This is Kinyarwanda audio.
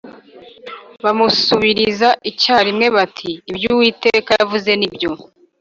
bamusubiriza icyarimwe bati Ibyo Uwiteka yavuze nibyo